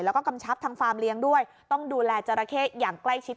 แล้วก็กำชับทางฟาร์มเลี้ยงด้วยต้องดูแลจราเข้อย่างใกล้ชิด